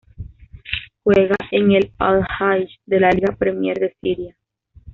Juega en el Al-Jaish de la Liga Premier de Siria.